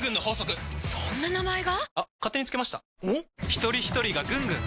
ひとりひとりがぐんぐん！